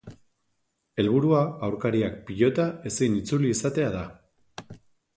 Helburua aurkariak pilota ezin itzuli izatea da.